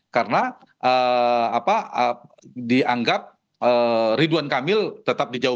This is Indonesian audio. karena apa dianggap ridwan kamil tetap di jalan